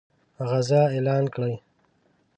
غزا اعلان کړي.